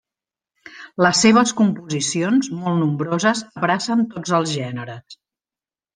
Les seves composicions molt nombroses, abracen tots els gèneres.